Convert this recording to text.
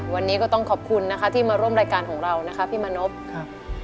วันนี้ก็ต้องขอบคุณนะคะที่มาร่วมรายการของเรานะคะพี่มณพครับ